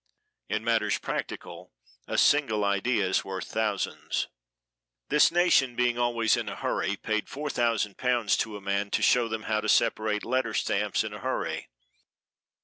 In matters practical a single idea is worth thousands. This nation being always in a hurry paid four thousand pounds to a man to show them how to separate letter stamps in a hurry.